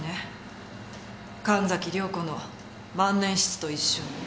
神崎涼子の万年筆と一緒に。